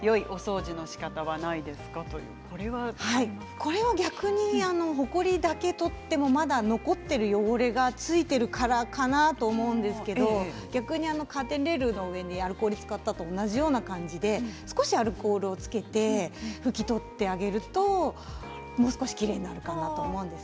これは逆にほこりだけ取ってもまだ残っている汚れが付いているからかなと思うんですけど逆にカーテンレールの上にアルコールを使ったのと同じ感じで少しアルコールをつけて拭き取ってあげるともう少しきれいになるかなと思います。